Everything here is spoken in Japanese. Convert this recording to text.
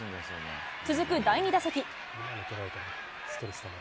続く第２打席。